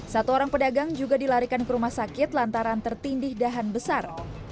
satu orang pedagang juga dilarikan ke rumah sakit lantaran tertindih dahan besar